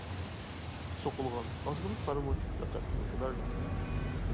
سوقۇلغان ئازغىنە قارا مۇچ پەقەت مۇشۇلارلا.